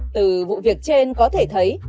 từ vụ việc trên có thể thấy